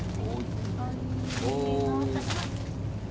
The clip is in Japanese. お。